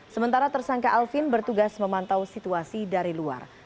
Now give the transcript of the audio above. sementara tersangka alvin bertugas memantau situasi dari luar